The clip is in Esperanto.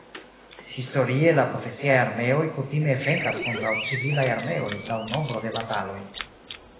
Historie la profesiaj armeoj kutime venkas kontraŭ civilaj armeoj laŭ nombro de bataloj.